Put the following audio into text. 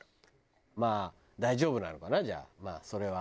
まあ大丈夫なのかなじゃあまあそれは。